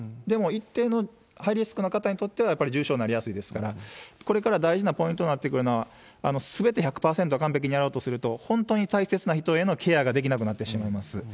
でも一定のハイリスクな方にとってはやっぱり重症化になりやすいですから、これから大事なポイントになってくるのは、すべて１００％完璧にやろうとすると、本当に大切な人へのケアができなくなってしまいます。